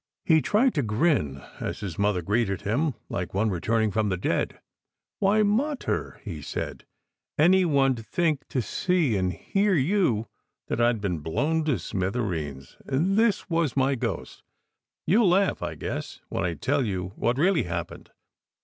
He tried to grin, as his mother greeted him like one re turning from the dead. "Why, mater," he said, "any one d think to see and hear you that I d been blown to smithereens, and this was my ghost. You ll laugh, I guess, when I tell you what really happened.